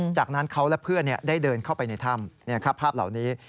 จากนั้นเขาและเพื่อนเนี่ยได้เดินเข้าไปในถ้ำเนี่ยครับภาพเหล่านี้